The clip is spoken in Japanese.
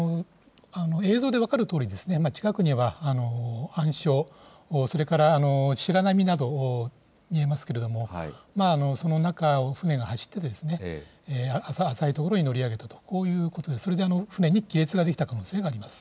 映像で分かるとおり、近くには暗礁、それから白波など見えますけれども、その中を船が走って、浅い所に乗り上げたと、こういうことで、それで船に亀裂が出来た可能性があります。